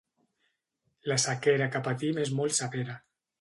La sequera que patim és molt severa.